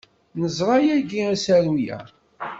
Neẓra yagi asaru-a.